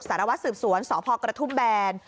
สารวัตรสืบสวนสพกระทุ่มแบน